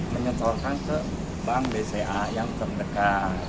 menyetorkan ke bank bca yang terdekat